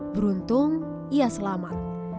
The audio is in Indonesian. beruntung ia selamat